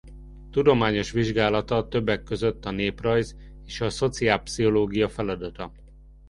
Tudományos vizsgálata többek között a néprajz és a szociálpszichológia feladata.